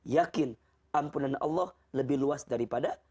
yakin ampunan allah lebih luas daripada